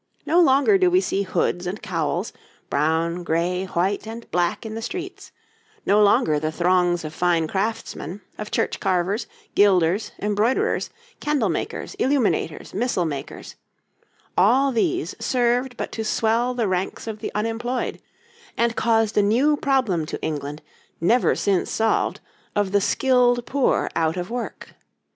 No longer do we see hoods and cowls, brown, gray, white, and black in the streets, no longer the throngs of fine craftsmen, of church carvers, gilders, embroiderers, candle makers, illuminators, missal makers; all these served but to swell the ranks of the unemployed, and caused a new problem to England, never since solved, of the skilled poor out of work.